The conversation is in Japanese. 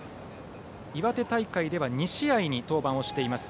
岩手大会では２試合に登板しています。